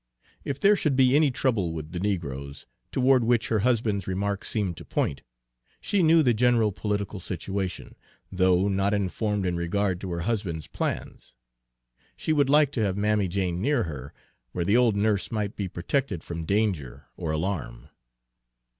If there should be any trouble with the negroes, toward which her husband's remark seemed to point, she knew the general political situation, though not informed in regard to her husband's plans, she would like to have Mammy Jane near her, where the old nurse might be protected from danger or alarm.